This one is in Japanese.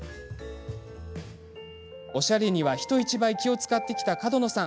おしゃれには人一倍気を遣ってきた角野さん。